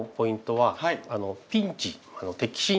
はい。